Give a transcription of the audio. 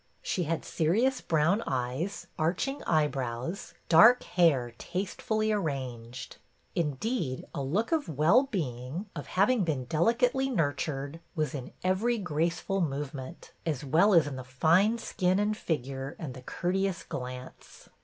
She had serious brown eyes, arching eyebrows, dark hair taste fully arranged; indeed, a look of well being, of having been delicately nurtured, was in every graceful movement, as well as in the fine skin and figure and the courteous glance.